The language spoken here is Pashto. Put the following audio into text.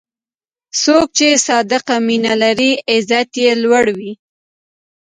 څوک چې صادق مینه لري، عزت یې لوړ وي.